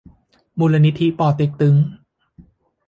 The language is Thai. มูลนิธิป่อเต็กตึ๊ง